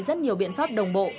rất nhiều biện pháp đồng bộ